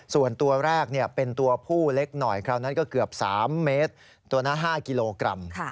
ส่วนตัวแรกเป็นตัวผู้เล็กหน่อยคราวนั้นก็เกือบ๓เมตรตัวละ๕กิโลกรัม